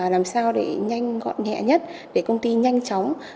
làm sao để nhanh gọn nhẹ nhất để công ty nhanh chóng